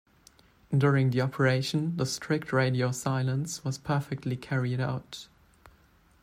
During the operation, the strict radio silence was perfectly carried out...